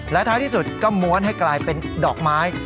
และท้ายที่สุดก็ม้วนให้กลายเป็นดอกไม้